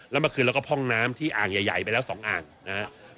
แล้วเมื่อคืนเราก็พ่องน้ำที่อ่างใหญ่ไปแล้ว๒อ่างนะครับ